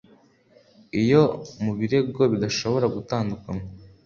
Iyo ku birego bidashobora gutandukanywa